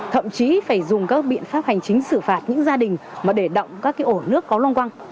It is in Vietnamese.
thậm chí phải dùng các biện pháp hành chính xử phạt những gia đình mà để động các cái ổ nước có loang quang